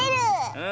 うん。